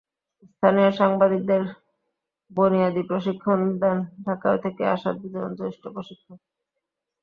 স্থানীয় সাংবাদিকদের বনিয়াদি প্রশিক্ষণ দেন ঢাকা থেকে আসা দুজন জ্যেষ্ঠ প্রশিক্ষক।